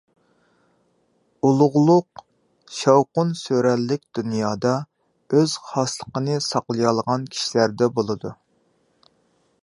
ئۇلۇغلۇق، شاۋقۇن-سۈرەنلىك دۇنيادا ئۆز خاسلىقىنى ساقلىيالىغان كىشىلەردە بولىدۇ.